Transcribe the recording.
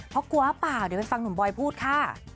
เพราะกลัวเปล่าเดี๋ยวไปฟังหนุ่มบอยพูดค่ะ